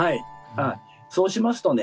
あっそうしますとね。